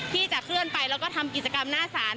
ที่จะเคลื่อนไปแล้วก็ทำกิจกรรมหน้าศาล